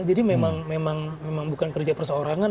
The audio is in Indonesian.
jadi memang bukan kerja perseorangan